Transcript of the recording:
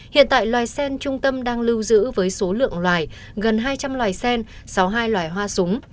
hiện tại loài sen trung tâm đang lưu giữ với số lượng loài gần hai trăm linh loài sen sáu mươi hai loài hoa súng